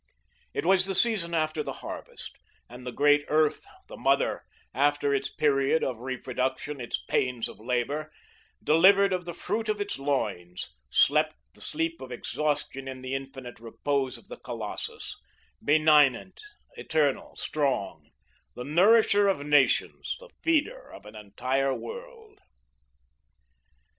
It was the season after the harvest, and the great earth, the mother, after its period of reproduction, its pains of labour, delivered of the fruit of its loins, slept the sleep of exhaustion in the infinite repose of the colossus, benignant, eternal, strong, the nourisher of nations, the feeder of an entire world.